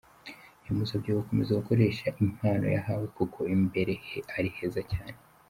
Yamusabye gukomeza gukoresha impano yahawe kuko imbere he ari heza cyane.